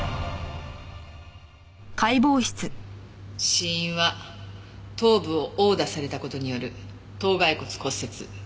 死因は頭部を殴打された事による頭蓋骨骨折。